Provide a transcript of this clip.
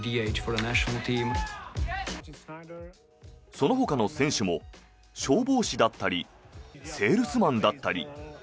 そのほかの選手も消防士だったりセールスマンだったり。